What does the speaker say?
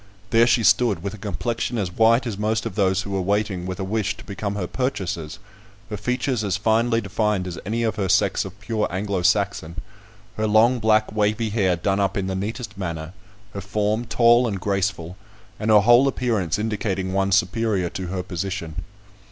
There she stood, with a complexion as white as most of those who were waiting with a wish to become her purchasers; her features as finely defined as any of her sex of pure Anglo Saxon; her long black wavy hair done up in the neatest manner; her form tall and graceful, and her whole appearance indicating one superior to her position.